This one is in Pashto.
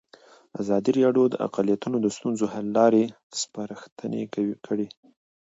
ازادي راډیو د اقلیتونه د ستونزو حل لارې سپارښتنې کړي.